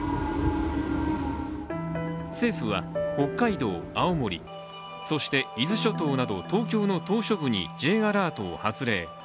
政府は北海道、青森、そして伊豆諸島など東京の島しょ部にＪアラートを発令。